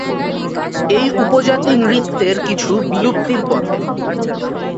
এই উপজাতি নৃত্যের কিছু বিলুপ্তির পথে।